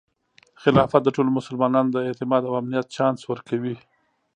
خلافت د ټولو مسلمانانو د اعتماد او امنیت چانس ورکوي.